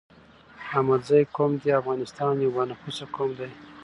احمدزی قوم دي افغانستان يو با نفوسه قوم دی